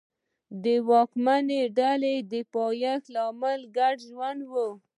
د واکمنې ډلې پیدایښت لامل د ګډ ژوند و